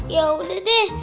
ya udah deh